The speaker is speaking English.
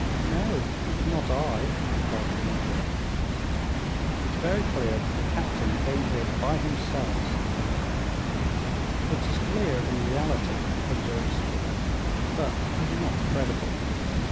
"No, it was not I," replied the Negro. "It's very clear that the captain came here by himself," said Pencroft. "It is clear in reality," observed Spilett, "but it is not credible!"